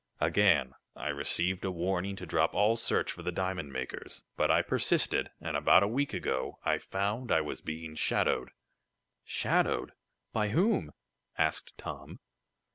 Again I received a warning to drop all search for the diamond makers, but I persisted, and about a week ago I found I was being shadowed." "Shadowed; by whom?" asked Tom.